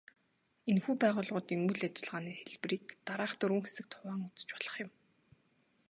Энэхүү байгууллагуудын үйл ажиллагааны хэлбэрийг дараах дөрвөн хэсэгт хуваан үзэж болох юм.